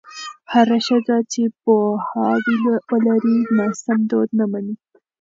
هره ښځه چې پوهاوی ولري، ناسم دود نه مني.